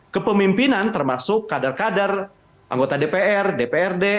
kepemimpinan termasuk kader kader anggota dpr dprd